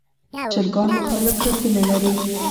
چرګان مختلف رنګونه لري.